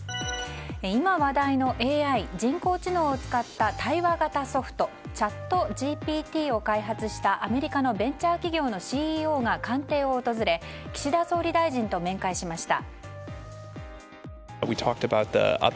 今話題のＡＩ・人工知能を使った対話型ソフトチャットＧＰＴを開発したアメリカのベンチャー企業のＣＥＯが官邸を訪れ岸田総理大臣と面会しました。